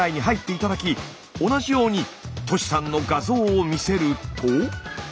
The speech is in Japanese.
同じようにトシさんの画像を見せると。